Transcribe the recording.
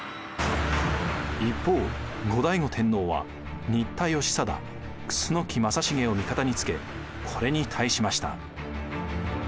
一方後醍醐天皇は新田義貞楠木正成を味方につけこれに対しました。